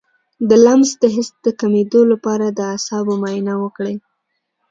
د لمس د حس د کمیدو لپاره د اعصابو معاینه وکړئ